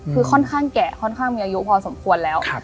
คือค่อนข้างแก่ค่อนข้างมีอายุพอสมควรแล้ว